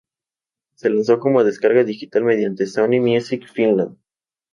Se lanzó como descarga digital mediante Sony Music Finland.